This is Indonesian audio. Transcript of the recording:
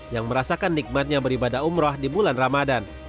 yang merasakan nikmatnya beribadah umroh di bulan ramadan